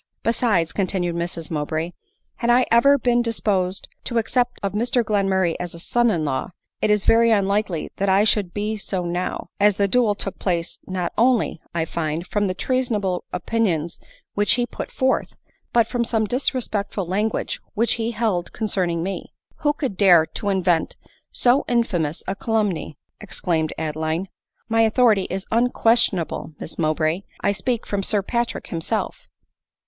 " Besides," continued Mrs Mowbray, " had I ever been disposed to accept of Mr Glenmurray as a son in law, it is very unlikely that I should be so now ; as the 5* 50 ADELINE MOWBRAY. duel took place not only, I find, from the treasonable opinions which he put forth, but from some disrespectful language which he held concerning me." " Who could dare to invent so infamous a calumny ?" exclaimed Adeline. "My authority is unquestionable, Miss Mowbray; I speak from Sir Patrick himself."